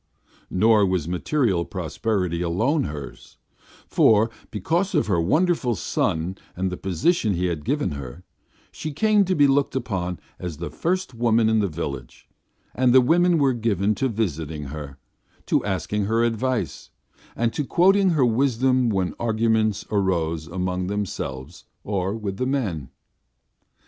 Nor was material prosperity alone hers, for, because of her wonderful son and the position he had given her, she came to be looked upon as the first woman in all the village; and the women were given to visiting her, to asking her advice, and to quoting her wisdom when arguments arose among themselves or with the men.